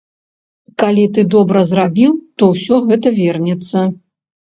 Калі ты добра зрабіў, то ўсё гэта вернецца.